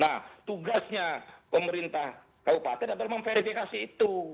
nah tugasnya pemerintah kabupaten adalah memverifikasi itu